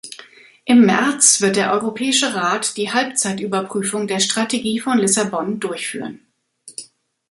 Im März wird der Europäische Rat die Halbzeitüberprüfung der Strategie von Lissabon durchführen.